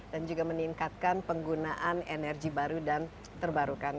dan juga meningkatkan penggunaan energi baru dan terbarukan